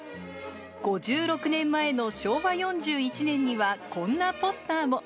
５６年前の昭和４１年には、こんなポスターも。